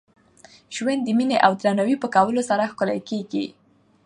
ژوند د میني او درناوي په کولو سره ښکلی کېږي.